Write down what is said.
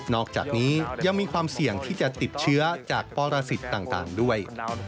อกจากนี้ยังมีความเสี่ยงที่จะติดเชื้อจากปรสิทธิ์ต่างด้วย